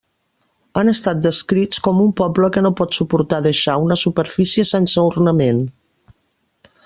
Han estat descrits com un poble que no pot suportar deixar una superfície sense ornament.